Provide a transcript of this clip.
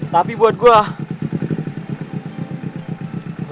tapi buat gue